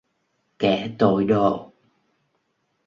kẻ tội đồ